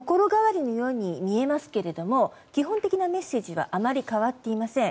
心変わりには見えますけれども基本的なメッセージはあまり変わっていません。